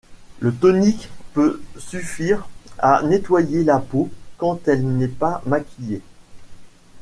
Le tonique peut suffire à nettoyer la peau quand elle n'est pas maquillée.